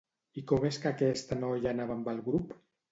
I com és que aquesta noia anava amb el grup?